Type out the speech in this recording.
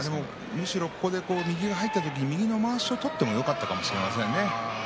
むしろ右が入った時に琴恵光が右のまわしを取ってもよかったかもしれませんね。